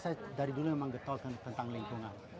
saya dari dulu memang getol tentang lingkungan